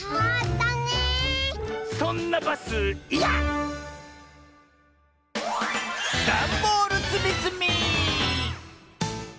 そんなバスいやっ！